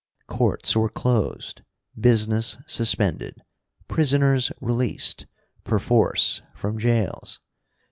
Courts were closed, business suspended, prisoners released, perforce, from jails.